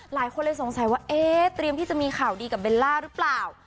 หลายคนเลยสงสัยว่าเอ๊ะเตรียมที่จะมีข่าวดีกับเบลล่าหรือเปล่า